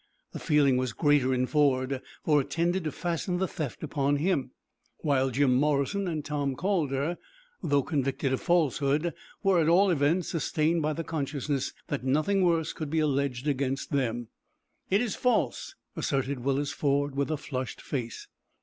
The feeling was greater in Ford, for it tended to fasten the theft upon him, while Jim Morrison and Tom Calder, though convicted of falsehood, were at all events sustained by the consciousness that nothing worse could be alleged against them. "It is false!" asserted Willis Ford, with a flushed face.